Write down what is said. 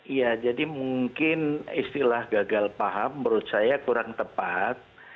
iya jadi mungkin istilah gagal paham menurut saya kurang tepat